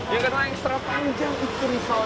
yang kedua yang serah panjang itu risolnya